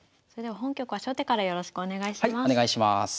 それでは本局は初手からよろしくお願いします。